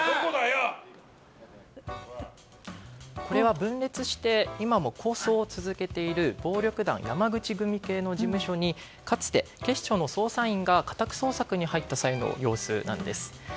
これは分裂して今も抗争を続けている暴力団山口組系の事務所にかつて、警視庁の捜査員が家宅捜索に入った際の様子です。